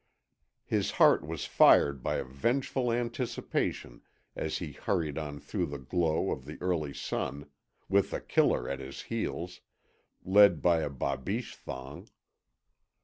His heart was fired by a vengeful anticipation as he hurried on through the glow of the early sun, with The Killer at his heels, led by a BABICHE thong.